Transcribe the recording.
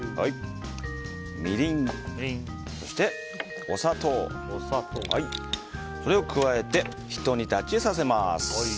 みりん、そしてお砂糖を加えて、ひと煮立ちさせます。